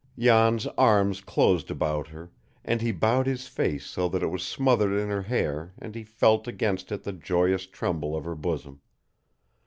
Jan's arms closed about her, and he bowed his face so that it was smothered in her hair and he felt against it the joyous tremble of her bosom.